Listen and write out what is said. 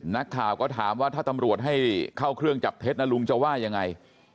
นักข่าวก็ถามว่าถ้าตำรวจให้เข้าเครื่องจับเท็จนะลุงจะว่ายังไง